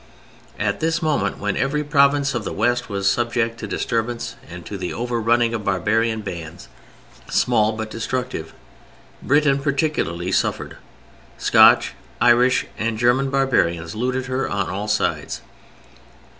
At this moment, when every province of the West was subject to disturbance and to the over running of barbarian bands, small but destructive, Britain particularly suffered. Scotch, Irish and German barbarians looted her on all sides.